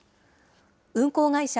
運航会社